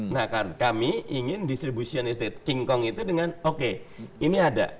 nah kami ingin distribution estate king kong itu dengan oke ini ada